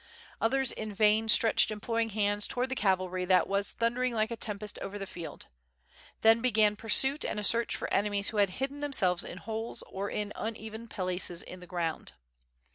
Others in vain stretched imploring hands towards the cavalry that was thundering like a tempest over the field. Then began pursuit and a search for enemies who bad hidden themselves in holes or 712 WITH FIRE AND SWORD. in uneven places in the ground.